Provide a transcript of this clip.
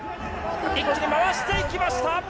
一気に回していきました。